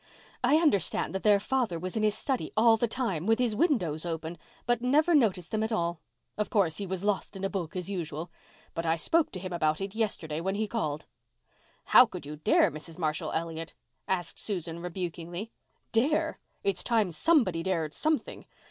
"I understand that their father was in his study all the time, with his windows open, but never noticed them at all. Of course, he was lost in a book as usual. But I spoke to him about it yesterday, when he called." "How could you dare, Mrs. Marshall Elliott?" asked Susan rebukingly. "Dare! It's time somebody dared something.